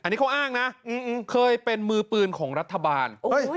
อันนี้เขาอ้างนะเคยเป็นมือปืนของรัฐบาล